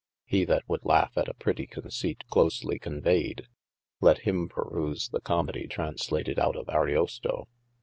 He that wold laugh at a prety conceit closely conveyed, let him peruse the comedie translated out of Ariosto.